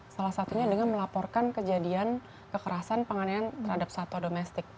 salah satunya dengan melaporkan kejadian kekerasan penganiayaan terhadap satwa domestik